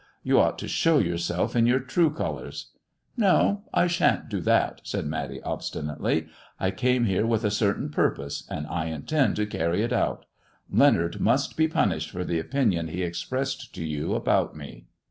You ought to show yourself in your true colours." " No. I shan't do that !" said Matty, obstinately. " I came here with a certain purpose, and I intend to carry it out. Leonard must be punished for the opinion he expressed to you about me."